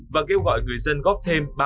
và kêu gọi người dân góp thêm ba mươi